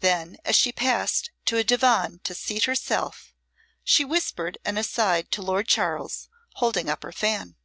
Then as she passed to a divan to seat herself she whispered an aside to Lord Charles, holding up her fan.